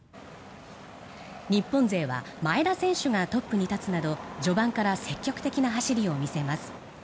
日本勢は前田選手がトップに立つなど序盤から積極的な走りを見せます。